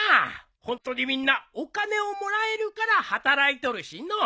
ホントにみんなお金をもらえるから働いとるしのう。